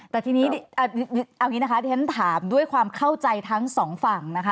แต่ทีนี้เอาอย่างนี้นะคะที่ฉันถามด้วยความเข้าใจทั้งสองฝั่งนะคะ